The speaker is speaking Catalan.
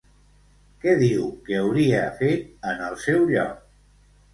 Què diu que hauria fet en el seu lloc?